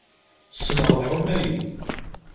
Ssneɣ lḥuma-yi.